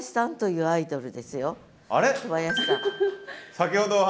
先ほどは。